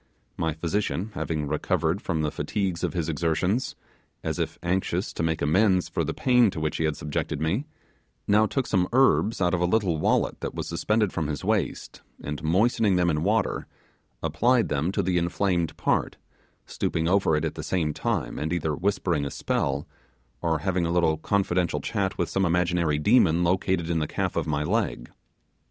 My physician, having recovered from the fatigues of his exertions, as if anxious to make amends for the pain to which he had subjected me, now took some herbs out of a little wallet that was suspended from his waist, and moistening them in water, applied them to the inflamed part, stooping over it at the same time, and either whispering a spell, or having a little confidential chat with some imaginary demon located in the calf of my leg.